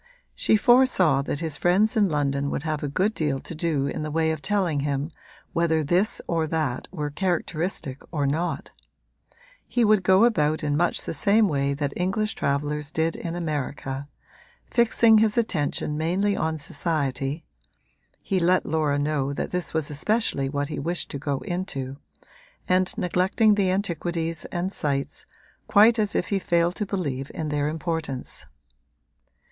She foresaw that his friends in London would have a good deal to do in the way of telling him whether this or that were characteristic or not; he would go about in much the same way that English travellers did in America, fixing his attention mainly on society (he let Laura know that this was especially what he wished to go into) and neglecting the antiquities and sights, quite as if he failed to believe in their importance.